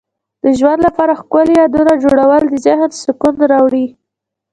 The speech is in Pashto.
د ژوند لپاره ښکلي یادونه جوړول د ذهن سکون راوړي.